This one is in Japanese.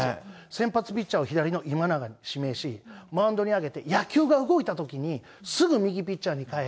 先発ピッチャーを左の今永に指名し、マウンドに上げて野球が動いたときに、すぐ右ピッチャーにかえ。